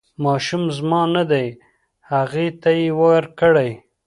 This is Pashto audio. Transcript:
ماشوم زما نه دی هغې ته یې ورکړئ.